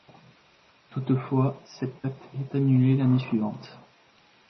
Toutefois, cet acte est annulé l'année suivante.